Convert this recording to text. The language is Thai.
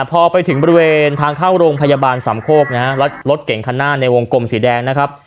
พอไปถึงบริเวณทางเข้าโรงพยาบาลสามโคกนะฮะแล้วรถเก่งคันหน้าในวงกลมสีแดงนะครับ